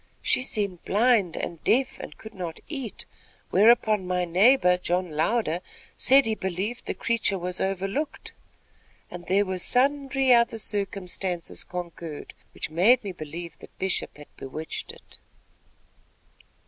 She seemed blind and deaf and could not eat, whereupon my neighbor John Louder said he believed the creature was overlooked, and there were sundry other circumstances concurred, which made me believe that Bishop had bewitched it."